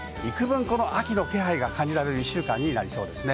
秋の気配が感じられる１週間になりそうです。